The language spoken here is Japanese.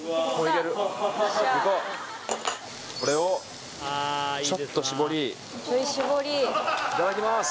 これをちょっと搾りちょい搾りいただきます！